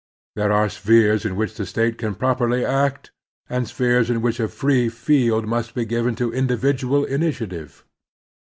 There are spheres in which the State can properly act, and spheres in which a free field must be given to indi vidual initiative.